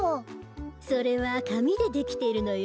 それはかみでできてるのよ。